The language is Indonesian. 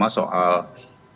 persoalan terutama soal